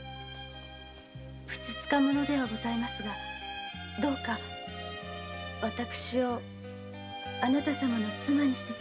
ふつつか者ではございますがどうか私をあなた様の妻にしてくださいまし。